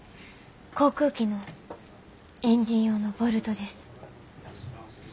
航空機のエンジン用のボルトです。